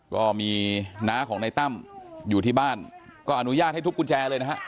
ก็มีน้าของในตั้มอยู่ที่บ้านก็อนุญาตให้ทุบกุญแจเลยนะฮะ